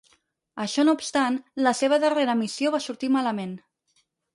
Això no obstant, la seva darrera missió va sortir malament.